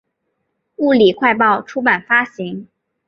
物理快报出版发行。